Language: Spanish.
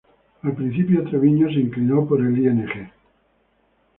Al principio Treviño se inclinó por el Ing.